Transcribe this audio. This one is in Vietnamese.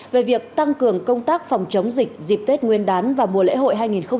về việc tăng cường công tác phòng chống dịch dịp tết nguyên đán và mùa lễ hội hai nghìn hai mươi